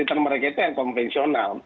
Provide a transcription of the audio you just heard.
kompo titel mereka itu yang konvensional